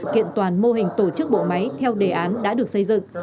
kiện toàn mô hình tổ chức bộ máy theo đề án đã được xây dựng